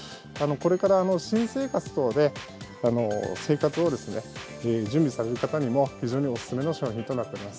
これから新生活等で、生活を準備される方にも、非常にお勧めの商品となっております。